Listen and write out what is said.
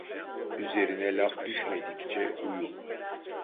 Üzerine laf düşmedikçe uyu.